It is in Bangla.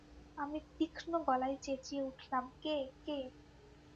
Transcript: আমি তীক্ষ্ণ গলায় চেঁচিয়ে উঠলাম, কে, কে?